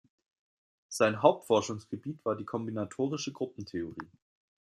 Sein Hauptforschungsgebiet war die kombinatorische Gruppentheorie.